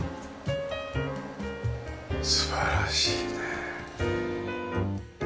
素晴らしいね。